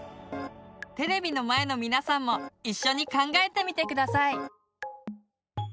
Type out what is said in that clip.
テレビの前の皆さんも一緒に考えてみて下さい。